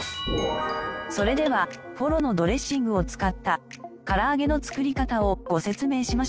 それではフォロのドレッシングを使った唐揚げの作り方をご説明しましょう。